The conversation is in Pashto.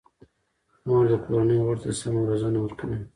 مور د کورنۍ غړو ته سمه روزنه ورکوي.